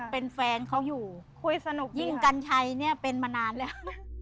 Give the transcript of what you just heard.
เป็นแฟนเขาอยู่คุยสนุกยิ่งกัญชัยเนี่ยเป็นมานานแล้ว